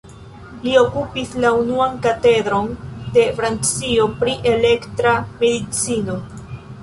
Li okupis la unuan katedron de Francio pri elektra medicino.